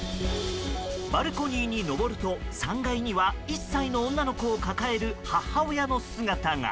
バルコニーに上ると３階には１歳の女の子を抱える母親の姿が。